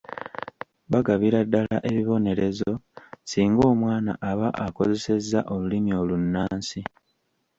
Bagabira ddala ebibonerezo singa omwana aba akozesezza olulimi olunnansi.